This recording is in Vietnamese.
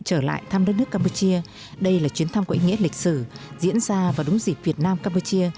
trở lại thăm đất nước campuchia đây là chuyến thăm có ý nghĩa lịch sử diễn ra vào đúng dịp việt nam campuchia